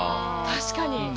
確かに。